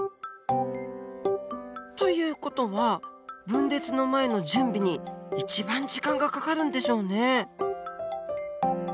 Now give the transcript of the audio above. という事は分裂の前の準備に一番時間がかかるんでしょうね。